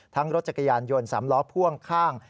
ทั้งรถจักรยานยนต์สำล้อพ่วงข้าง